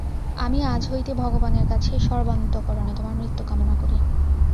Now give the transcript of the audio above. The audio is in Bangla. আমি আজ হইতে ভগবানের কাছে সর্বান্তঃকরণে তোমার মৃত্যু কামনা করি।